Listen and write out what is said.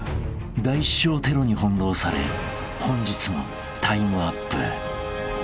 ［大師匠テロに翻弄され本日もタイムアップ］